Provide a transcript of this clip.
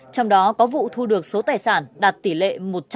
trong đó có vụ thu được số tài sản đạt tỷ lệ một trăm linh